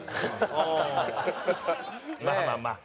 まあまあまあ。